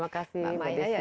terima kasih mbak maya